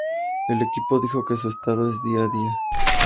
El equipo dijo que su estado es día a día.